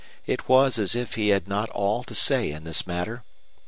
It was as if he had not all to say in this matter.